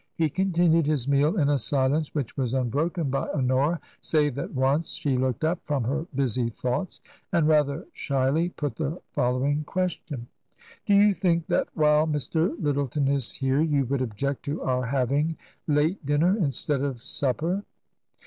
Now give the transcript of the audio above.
He continued his meal in a silence which was unbroken by Honora, save that once she looked up from her busy thoughts and rather shyly put the following question : "Do you think that while Mr. Lyttleton is here you would object to our having late dinner instead of supper